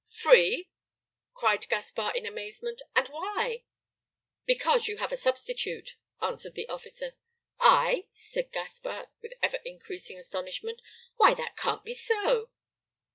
"Free!" cried Gaspar in amazement. "And why?" "Because you have a substitute," answered the officer. "'I!" said Gaspar, with ever increasing astonishment; "why, that can't be so!"